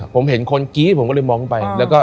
ผมเห็นคนกี้ผมก็เลยมองไป